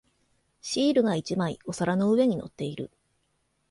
シールが一枚お皿の上に乗っている。